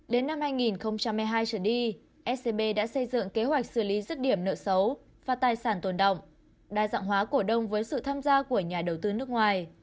đến năm hai nghìn một mươi hai trở đi scb đã xây dựng kế hoạch xử lý rứt điểm nợ xấu và tài sản tồn động đa dạng hóa cổ đông với sự tham gia của nhà đầu tư nước ngoài